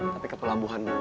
tapi ke pelabuhan dulu